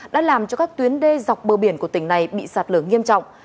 đã làm cho các tuyến đê dọc bờ biển của tỉnh này bị sạt lở nghiêm trọng